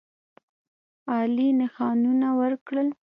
عالي نښانونه ورکړل.